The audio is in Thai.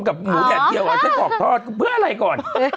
กับหมูแดดเดียวเอาฉันออกทอดเพื่ออะไรก่อน